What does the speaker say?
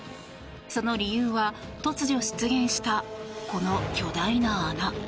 その理由は突如出現したこの巨大な穴。